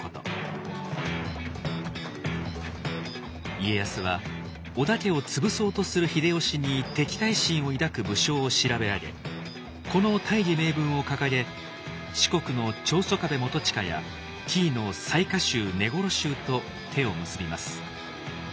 家康は織田家を潰そうとする秀吉に敵対心を抱く武将を調べ上げこの大義名分を掲げ四国の長宗我部元親や紀伊の雑賀衆根来衆と手を結びます。